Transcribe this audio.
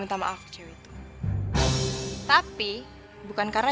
dia ada di belakang